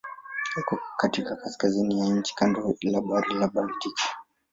Iko katika kaskazini ya nchi kando la Bahari ya Baltiki.